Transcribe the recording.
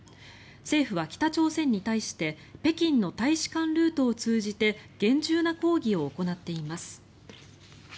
政府は北朝鮮に対して北京の大使館ルートを通じて厳重な抗議を行っています。